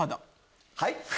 はい？